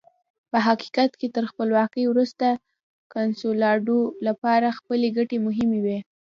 په حقیقت کې تر خپلواکۍ وروسته کنسولاډو لپاره خپلې ګټې مهمې وې.